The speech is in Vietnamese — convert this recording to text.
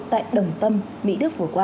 tại đồng tâm mỹ đức vừa qua